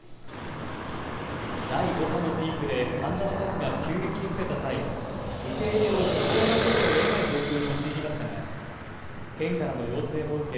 第５波のピークで患者の数が急激に増えた際、受け入れを断らざるをえない状況に陥りましたが県からの要請も受け